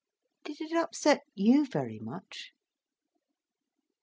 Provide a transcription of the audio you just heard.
Did it upset you very much?"